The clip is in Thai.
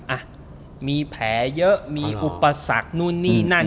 อ่ะมีแผลเยอะมีอุปสรรคนู่นนี่นั่น